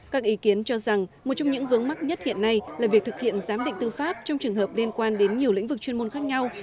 các ý kiến cho rằng một trong những vướng mắc nhất hiện nay là việc thực hiện giám định tư pháp trong trường hợp liên quan đến nhiều lĩnh vực chuyên môn khác nhau